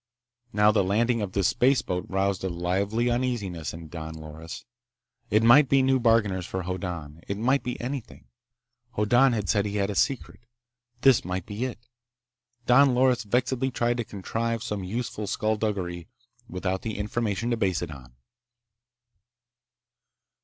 Now the landing of this spaceboat roused a lively uneasiness in Don Loris. It might be new bargainers for Hoddan. It might be anything. Hoddan had said he had a secret. This might be it. Don Loris vexedly tried to contrive some useful skulduggery without the information to base it on.